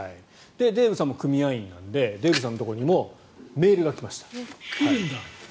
デーブさんの組合員なのでデーブさんのところにもメールが来ました。